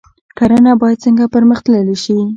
کرنه باید څنګه پرمختللې شي؟